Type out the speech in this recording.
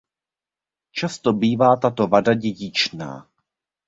Často bývá tato vada dědičná.